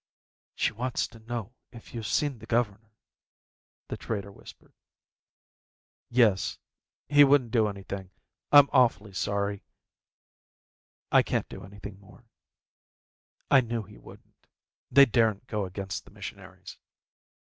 "She wants to know if you've seen the governor," the trader whispered. "Yes. He wouldn't do anything. I'm awfully sorry, I can't do anything more." "I knew he wouldn't. They daren't go against the missionaries."